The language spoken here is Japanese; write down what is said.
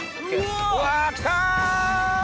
うわきた！